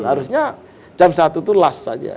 harusnya jam satu itu last aja